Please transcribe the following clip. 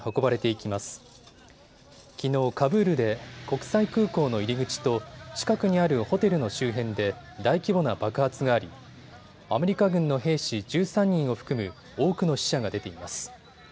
きのうカブールで国際空港の入り口と、近くにあるホテルの周辺で大規模な爆発がありアメリカ軍の兵士１３人を含む多くの死者が出ています。